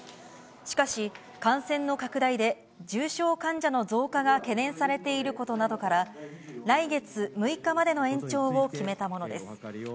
しかし感染の拡大で、重症患者の増加が懸念されていることなどから、来月６日までの延長を決めたものです。